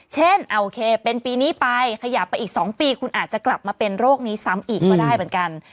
เช่นโอเคเป็นปีนี้ไปขยับไปอีก๒ปีคุณอาจจะกลับมาเป็นโรคนี้ซ้ำอีกก็ได้เหมือนกัน